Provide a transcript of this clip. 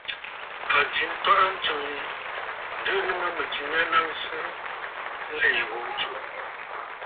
A jɨ ntwaʼa ntsǔ yi, ǹdɨʼɨ nɨ mə mɨ̀jɨ mya naŋsə nlìì ghu ntsù.